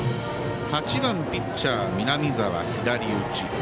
８番ピッチャーの南澤は左打ち。